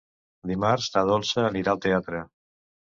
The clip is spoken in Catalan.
Dimarts na Dolça anirà al teatre.